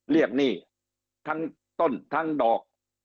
เรียกหนี้ทั้งต้นทั้งดอก